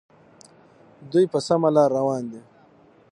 دوی په سمه لار روان دي.